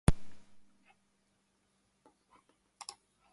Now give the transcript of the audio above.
Proceeds from the concert were donated to The North East Young Musicians Fund.